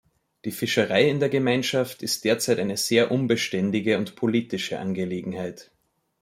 Die Fischerei in der Gemeinschaft ist derzeit eine sehr unbeständige und politische Angelegenheit.